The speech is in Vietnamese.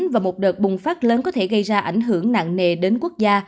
và một đợt bùng phát lớn có thể gây ra ảnh hưởng nặng nề đến quốc gia